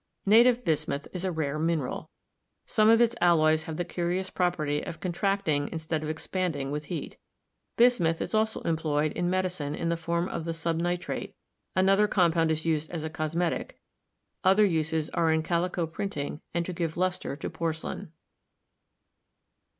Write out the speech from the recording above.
Native bismuth is a rare mineral. Some of its alloys have the curious property of contracting instead of expanding with heat. Bismuth is also employed in medicine in the form of the subnitrate ; another compound is used as a cosmetic; other uses are in calico printing and to give luster to porcelain.